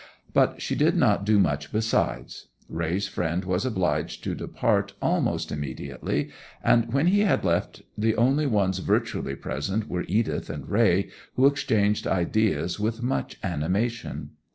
But she did not do much besides. Raye's friend was obliged to depart almost immediately, and when he had left the only ones virtually present were Edith and Raye who exchanged ideas with much animation.